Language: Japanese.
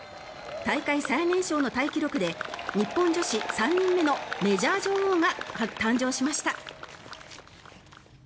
大会最年少のタイ記録で日本女子３人目のメジャー女王が誕生しました。